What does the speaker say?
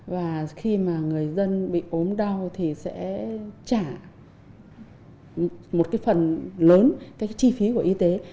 và khi mà người dân bị ốm đau thì sẽ trả một cái phần lớn cái chi phí của y tế